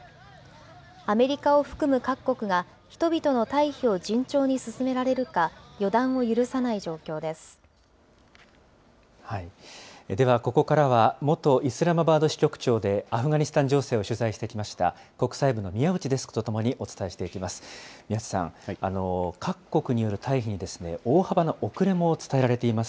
アメリカを含む各国が、人々の退避を順調に進められるか、では、ここからは、元イスラマバード支局長でアフガニスタン情勢を取材してきました国際部の宮内デスクと共にお伝えしていきます。